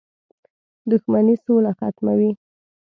• دښمني سوله ختموي.